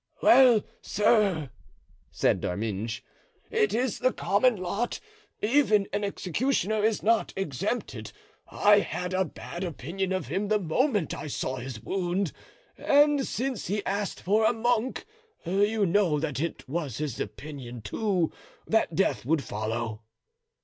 "Well, sir," said D'Arminges, "it is the common lot; even an executioner is not exempted. I had a bad opinion of him the moment I saw his wound, and since he asked for a monk you know that it was his opinion, too, that death would follow."